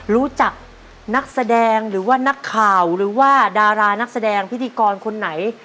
รู้จักนักแสดงหรือว่านักข่าวหรือว่าดารานักแสดงพิธีกรคนไหน